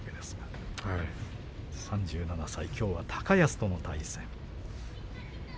玉鷲３７歳きょうは高安との対戦です。